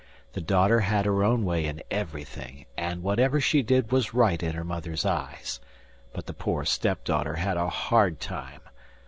The daughter had her own way in everything, and whatever she did was right in her mother's eyes; but the poor step daughter had a hard time.